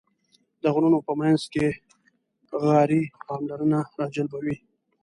د غرونو په منځ کې غارې پاملرنه راجلبوي.